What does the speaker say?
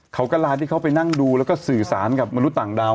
เขากระลาที่เขาไปนั่งดูแล้วก็สื่อสารกับมนุษย์ต่างดาว